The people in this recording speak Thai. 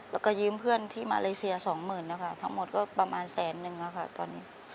แล้วก็ยืมเพื่อนที่มาเลเซียสองหมื่นนะคะทั้งหมดก็ประมาณแสนนึงค่ะตอนนี้